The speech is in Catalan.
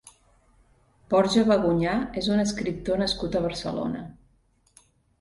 Borja Bagunyà és un escriptor nascut a Barcelona.